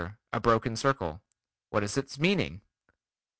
A broken circle. What is its meaning?